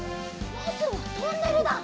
まずはトンネルだ！